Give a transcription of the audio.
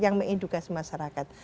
yang meindukasi masyarakat